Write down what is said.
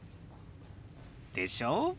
でしょ？